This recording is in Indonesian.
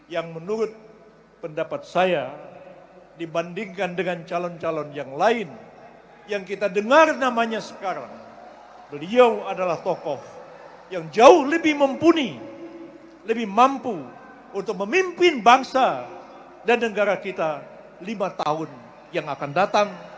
yang menurut pendapat saya dibandingkan dengan calon calon yang lain yang kita dengar namanya sekarang beliau adalah tokoh yang jauh lebih mampu untuk memimpin bangsa dan negara kita lima tahun yang akan datang dua ribu dua puluh empat dua ribu dua puluh sembilan